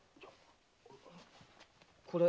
これ。